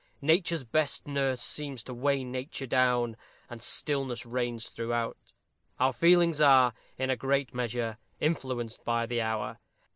"Nature's best nurse" seems to weigh nature down, and stillness reigns throughout. Our feelings are, in a great measure, influenced by the hour.